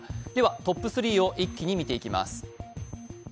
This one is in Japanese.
トップ３を一気に見ていきます。